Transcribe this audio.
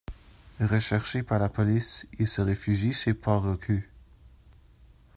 Recherché par la police, il se réfugie chez Paul Reclus.